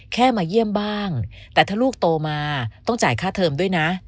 แค่มาเยี่ยมบ้างแต่ถ้าลูกโตมาต้องจ่ายค่าเทอมด้วยนะ